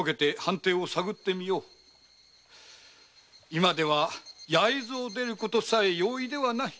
今は焼津を出るさえ容易でない。